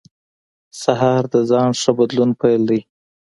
سهار د ځان ښه بدلون پیل دی.